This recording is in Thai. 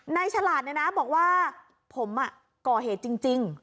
นายฉลาดนะบอกว่าผมก่อเหตุจริง